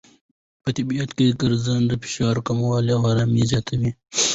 په طبیعت کې ګرځېدل فشار کموي او آرامۍ زیاتوي.